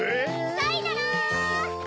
さいなら！